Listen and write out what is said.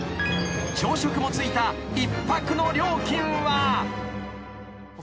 ［朝食もついた１泊の料金は］